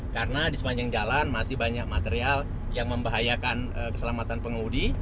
karena di sepanjang jalan masih banyak material yang membahayakan keselamatan pengemudi